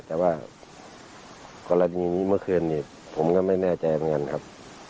แต่ว่ากรณีนี้เมื่อคืนนี้ผมก็ไม่แน่ใจเหมือนกันครับ